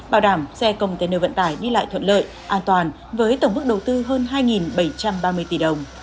bảo đảm xe công tên nơi vận tải đi lại thuận lợi an toàn với tổng bức đầu tư hơn hai bảy trăm ba mươi tỷ đồng